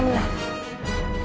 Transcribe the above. hidup keraton skorok hidup